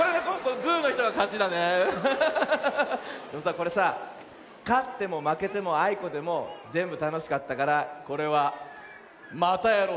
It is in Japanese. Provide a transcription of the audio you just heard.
これさかってもまけてもあいこでもぜんぶたのしかったからこれは「またやろう！」